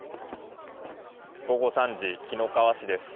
午後３時、紀の川市です。